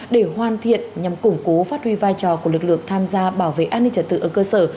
để hoàn thiện nhằm củng cố phát huy vai trò của lực lượng tham gia bảo vệ an ninh trật tự ở cơ sở